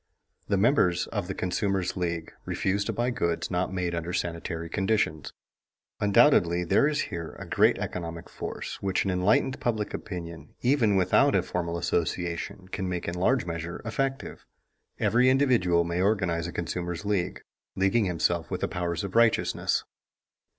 The members of The Consumers' League refuse to buy goods not made under sanitary conditions. Undoubtedly there is here a great economic force which an enlightened public opinion, even without a formal association, can make in large measure effective. Every individual may organize a consumer's league, leaguing himself with the powers of righteousness.